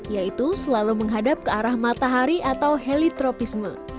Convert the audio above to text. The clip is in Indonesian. yaitu selalu menghadap ke arah matahari atau helitropisme